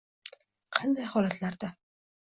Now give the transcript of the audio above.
Qanday holatlarda?